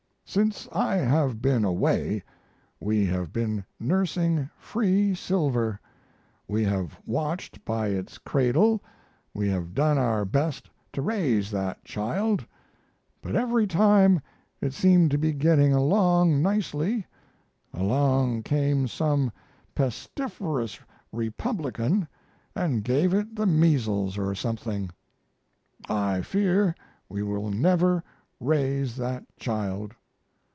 Since I have been away we have been nursing free silver. We have watched by its cradle, we have done our best to raise that child, but every time it seemed to be getting along nicely along came some pestiferous Republican and gave it the measles or something. I fear we will never raise that child.